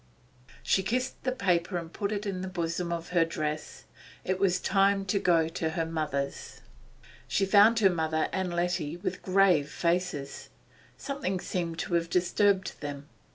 She kissed the paper and put it in the bosom of her dress. It was already time to go to her mother's. She found her mother and Letty with grave faces; something seemed to have disturbed them.